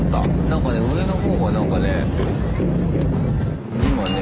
何かね上の方が何かね。